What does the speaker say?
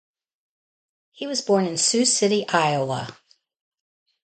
He was born in Sioux City, Iowa.